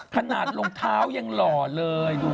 ขนาดลงเท้ายังหล่อเลยดู